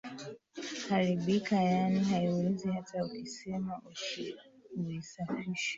haribika yaani haiwezi hata ukisema uisafishe